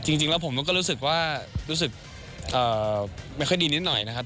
จริงแล้วผมก็รู้สึกว่ารู้สึกไม่ค่อยดีนิดหน่อยนะครับ